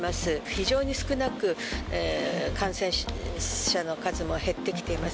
非常に少なく感染者の数も減ってきています。